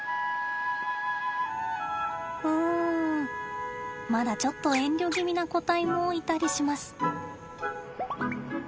うんまだちょっと遠慮気味な個体もいたりします。